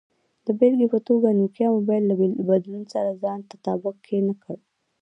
د بېلګې په توګه، نوکیا موبایل له بدلون سره ځان تطابق کې نه کړ.